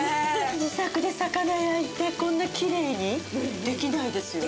自宅で魚焼いてこんなきれいにできないですよね。